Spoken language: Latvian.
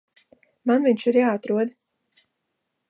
Man viņš ir jāatrod.